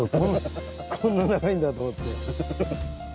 こんな長いんだって思って。